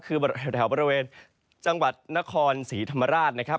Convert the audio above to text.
คือแถวบริเวณจังหวัดนครศรีธรรมราชนะครับ